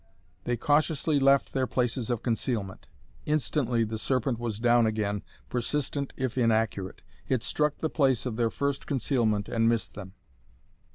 They cautiously left their places of concealment. Instantly the serpent was down again, persistent if inaccurate. It struck the place of their first concealment and missed them.